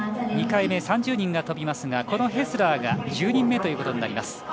２回目、３０人が飛びますがこのヘスラーが１０人目ということになります。